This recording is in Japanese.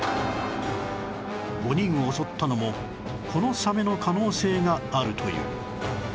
５人を襲ったのもこのサメの可能性があるという